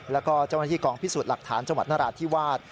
แล้วก็เจ้าหน้าที่กองพิสูจน์หลักฐานจังหวัดนราธิวาส